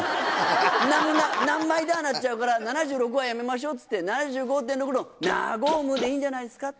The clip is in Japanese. なんまいだーになっちゃうから、７６はやめましょうっていって、７５．６のなごむでいいんじゃないですか。